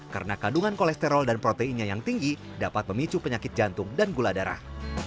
karena kandungan kolesterol dan proteinnya yang tinggi dapat memicu penyakit jantung dan gula darah